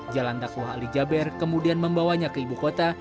jalan dakwah ali jaber kemudian membawanya ke ibu kota